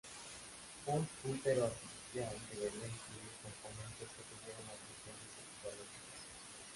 Un útero artificial debería incluir componentes que tuvieran las funciones equivalentes.